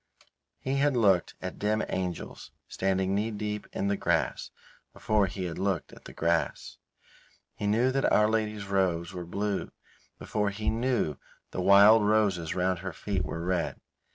He had looked at dim angels standing knee deep in the grass before he had looked at the grass. He knew that Our Lady's robes were blue before he knew the wild roses round her feet were red.